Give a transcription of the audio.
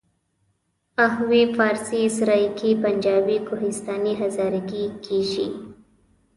پښتو، بلوچي، براهوي، فارسي، سرایکي، پنجابي، کوهستاني، هزارګي، سندهي..ویل کېژي.